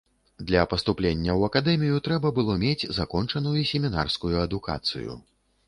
Для паступлення ў акадэмію трэба было мець закончаную семінарскую адукацыю.